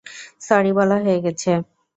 Sorry বলা হয়ে গেছে।